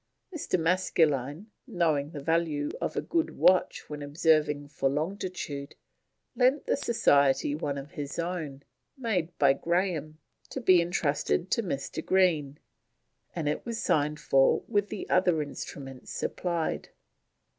Mr. Maskelyne, knowing the value of a good watch when observing for longitude, lent the Society one of his own, made by Graham, to be entrusted to Mr. Green, and it was signed for with the other instruments supplied.